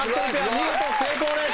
見事成功です